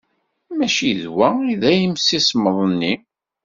Maci d wa ay d imsismeḍ-nni?